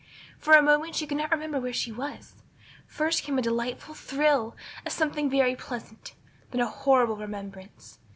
For a moment she could not remember where she was. First came a delightful thrill, as something very pleasant; then a horrible remembrance.